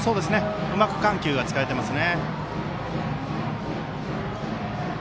うまく緩急が使えています。